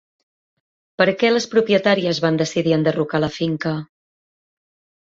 Per a què les propietàries van decidir enderrocar la finca?